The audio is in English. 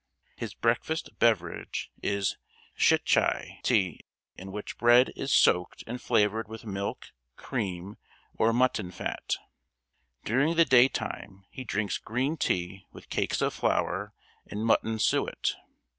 His breakfast beverage is Schitschaj tea in which bread is soaked and flavored with milk, cream, or mutton fat. During the daytime he drinks green tea with cakes of flour and mutton suet.